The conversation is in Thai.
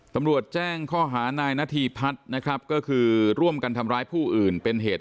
ตำรวจแจ้งข้อหานายณฑีพัดร่วมกันต่ามร้ายผู้อื่นที่เป็นเหตุ